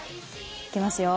いきますよ。